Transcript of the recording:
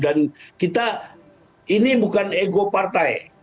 dan kita ini bukan ego partai